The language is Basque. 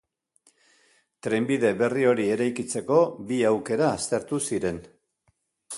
Trenbide berri hori eraikitzeko bi aukera aztertu ziren.